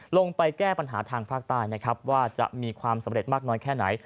ลงไปแก้ปัญหาทางภาคใต้นะครับว่าจะมีความสำเร็จมากน้อยแค่ไหน